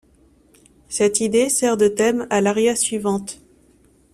Cette idée sert de thème à l'aria suivante.